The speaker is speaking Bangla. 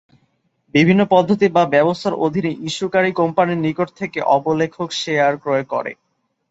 বিভিন্ন পদ্ধতি বা ব্যবস্থার অধীনে ইস্যুকারী কোম্পানির নিকট থেকে অবলেখক শেয়ার ক্রয় করে।